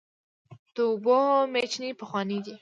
د اوبو میچنې پخوانۍ دي.